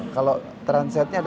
kalau transitnya ada tiga puluh satu